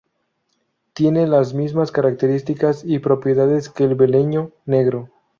Tiene las mismas características y propiedades que el beleño negro.